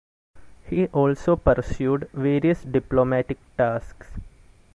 He also pursued various diplomatic tasks.